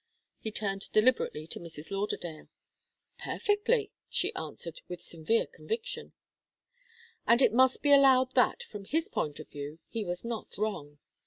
He turned deliberately to Mrs. Lauderdale. "Perfectly," she answered, with sincere conviction. And it must be allowed that, from his point of view, he was not wrong.